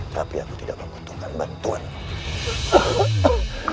tapi aku tidak menguntungkan bantuanmu